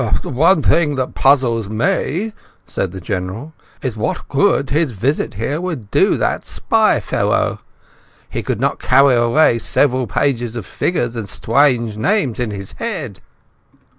"The one thing that puzzles me," said the General, "is what good his visit here would do that spy fellow? He could not carry away several pages of figures and strange names in his head."